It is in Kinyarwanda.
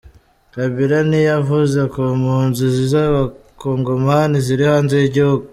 Kabila ntiyavuze ku mpunzi z’Abakongomani ziri hanze y’igihugu.